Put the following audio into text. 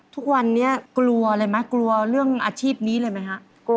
ทุกวันนี้กลัวอะไรไหมกลัวเรื่องอาชีพนี้เลยไหมฮะ